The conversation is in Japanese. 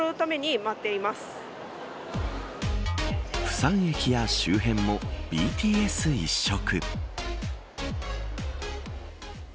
釜山駅や周辺もＢＴＳ一色。